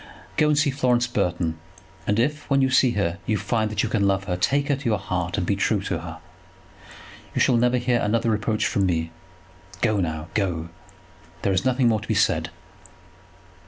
Go and see Florence Burton; and if, when you see her, you find that you can love her, take her to your heart, and be true to her. You shall never hear another reproach from me. Go now, go; there is nothing more to be said."